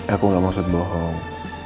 aku gak mau set bohong